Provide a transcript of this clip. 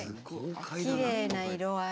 きれいな色合い。